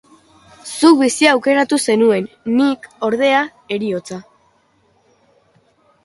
Zuk bizia aukeratu zenuen; nik, ordea, heriotza